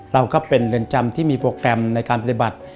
เราก็เป็นเรือนจำที่มีโปรแกรมในการปฏิบัติ